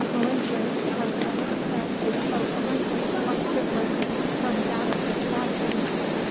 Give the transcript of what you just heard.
Malinche told him that they spoke a language quite different from that of the Tabascans.